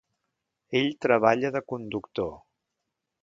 Ell treballa de conductor.